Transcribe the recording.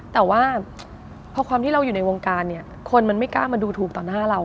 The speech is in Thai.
แต่ว่าพอความที่เราอยู่ในวงการเนี่ยคนมันไม่กล้ามาดูถูกต่อหน้าเรา